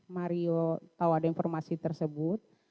mario tahu ada informasi tersebut